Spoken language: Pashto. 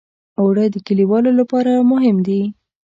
اوړه د کليوالو لپاره مهم دي